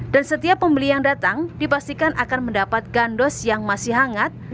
dan setiap pembeli yang datang dipastikan akan mendapat gandos yang masih hangat